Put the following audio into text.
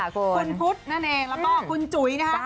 คุณพุทธและคุณจุ๋ย